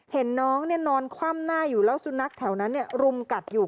เห็นน้องนอนคว่ำหน้าอยู่แล้วสุนัขแถวนั้นรุมกัดอยู่